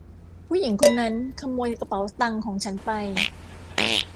ผู้หญิงคนนั้นขโมยกระเป๋าตังค์ของฉันไป !